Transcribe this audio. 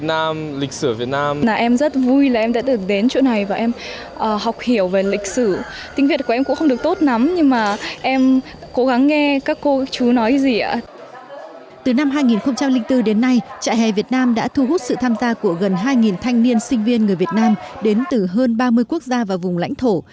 từ năm hai nghìn bốn đến nay trại hè việt nam đã thu hút sự tham gia của gần hai thanh niên sinh viên người việt nam đến từ hơn ba mươi quốc gia và vùng lãnh thổ